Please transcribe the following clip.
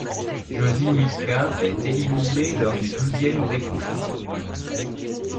Josie Muscat est éliminé lors du douzième décompte.